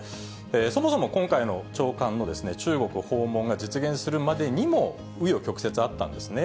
そもそも今回の長官の中国訪問が実現するまでにもう余曲折あったんですね。